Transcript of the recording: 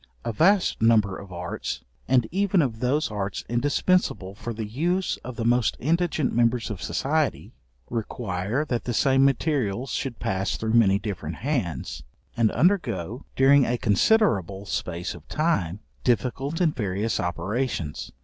A vast number of arts, and even of those arts indispensable for the use of the most indigent members of society, require that the same materials should pass through many different hands, and undergo, during a considerable space of time, difficult and various operations.